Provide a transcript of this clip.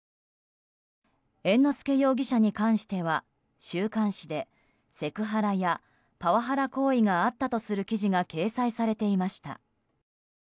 猿之助容疑者に関しては週刊誌でセクハラやパワハラ行為があったとする記事が掲載されていました。